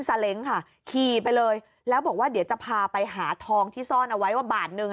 เล้งค่ะขี่ไปเลยแล้วบอกว่าเดี๋ยวจะพาไปหาทองที่ซ่อนเอาไว้ว่าบาทนึง